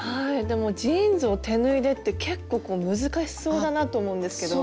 でもジーンズを手縫いでって結構難しそうだなって思うんですけど。